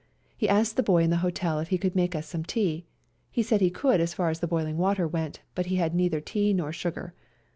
He asked the boy in the hotel if he could make us some tea. He said he could as far as the boiling water went, but he had neither tea nor sugar.